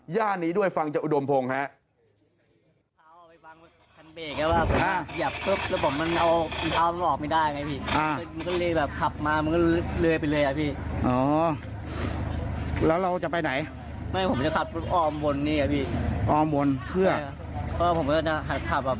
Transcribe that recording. ย่านนี้ด้วยฟังจากอุดมพงศ์ฮะ